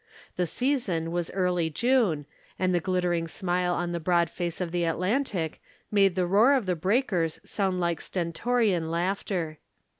The season was early June, and the glittering smile on the broad face of the Atlantic made the roar of the breakers sound like stentorian laughter.